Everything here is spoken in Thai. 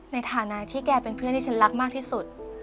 ในฐานะที่แกเป็นเพื่อนที่ฉันรักมากที่สุด